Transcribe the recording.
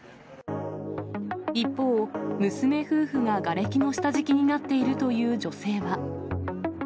一方、娘夫婦ががれきの下敷きになっているという女性は。